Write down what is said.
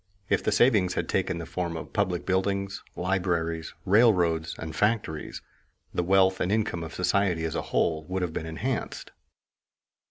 If the savings had taken the form of public buildings, libraries, railroads, and factories, the wealth and income of society as a whole would have been enhanced.